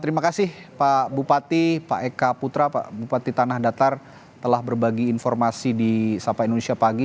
terima kasih pak bupati pak eka putra pak bupati tanah datar telah berbagi informasi di sapa indonesia pagi